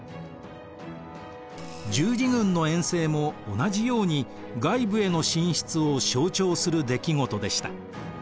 十字軍の遠征も同じように外部への進出を象徴する出来事でした。